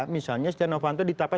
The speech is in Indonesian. misalnya si novanto ditapai